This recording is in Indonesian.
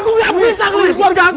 aku gak berisah nangis keluarga aku kak